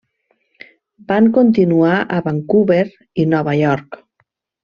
Van continuar a Vancouver i Nova York.